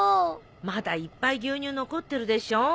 まだいっぱい牛乳残ってるでしょ。